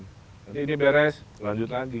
nanti ini beres lanjut lagi